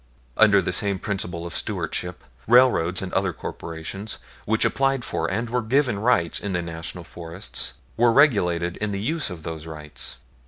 Under the same principle of stewardship, railroads and other corporations, which applied for and were given rights in the National Forests, were regulated in the use of those rights.